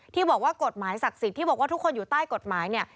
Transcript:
ที่บอกว่ากฎหมายศักดิ์สิทธิ์ที่บอกว่าทุกคนอยู่ใต้กฎหมายเนี่ย